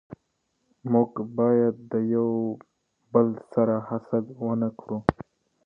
موږ بايد يو دبل سره حسد و نه کړو